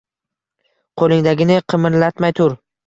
qo‘lingdagini qimirlatmay tur.